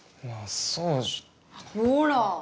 ほら！